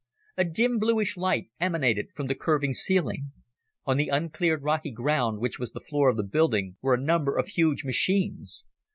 A dim, bluish light emanated from the curving ceiling. On the uncleared rocky ground which was the floor of the building were a number of huge machines.